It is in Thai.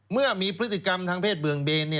เมื่อมีพฤติกรรมทางเศษเบื่องเบน